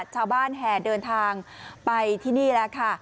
ชาวบ้านแห่เดินทางไปที่นี่แล้วค่ะ